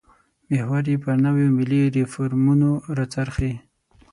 محور یې پر نویو ملي ریفورمونو راڅرخي.